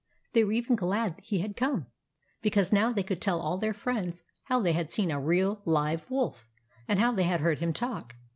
They were even glad that he had come ; because now they could tell all their friends how they had seen a real, live wolf, and how they had heard him talk.